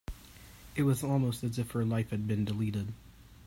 It was almost as if her life had been deleted.